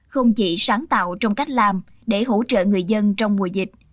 không chỉ sáng tạo trong cách làm để hỗ trợ người dân trong mùa dịch